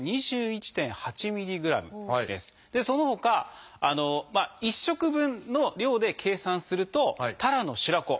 そのほか１食分の量で計算するとたらの白子